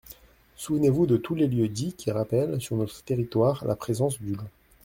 Souvenez-vous de tous les lieux-dits qui rappellent, sur notre territoire, la présence du loup.